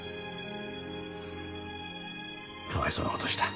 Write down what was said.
かわいそうなことをした。